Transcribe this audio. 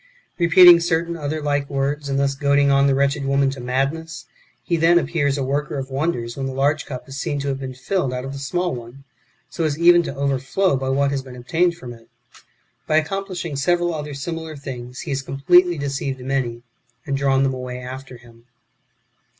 Repeating certain other like words, and thus 2;oadino; on the wretched woman [to madness], he then appears a worker of wonders when the large cup is seen to have been filled out of the small one, so as even to overflow by what has been obtained from it. By accomplishing several other similar things, he has completely deceived many, and drawn them away after him.